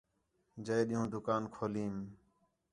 جئے ݙِین٘ہوں دُکان کھولیم